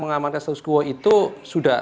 mengamankan status quo itu sudah